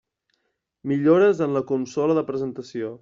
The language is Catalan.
Millores en la consola de presentació.